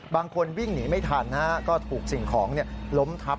บางคนวิ่งหนีไม่ทันก็ถูกสิ่งของล้มทับ